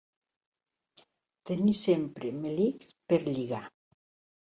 Tenir sempre melics per lligar.